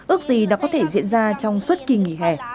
ước gì đó có thể diễn ra trong suốt kỳ nghỉ hè